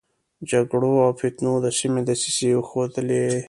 جګړو او فتنو د سيمې دسيسې وښودلې.